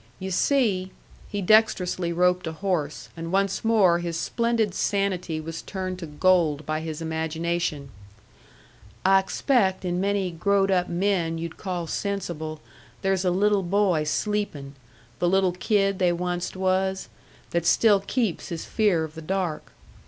You see" he dexterously roped a horse, and once more his splendid sanity was turned to gold by his imagination "I expect in many growed up men you'd call sensible there's a little boy sleepin' the little kid they onced was that still keeps his fear of the dark.